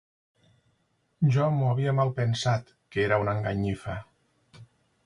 Ja m'ho havia malpensat, que era una enganyifa.